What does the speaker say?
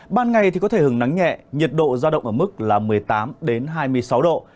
ban ngày có thể hừng nắng nhẹ nhiệt độ ra động ở mức một mươi tám hai mươi sáu độ